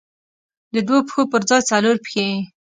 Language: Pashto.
د دوو پښو پر ځای څلور پښې.